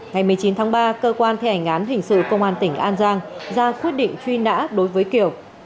ngày một mươi chín tháng ba cơ quan thi hành án hình sự công an tỉnh an giang ra quyết định truy nã đối với kiều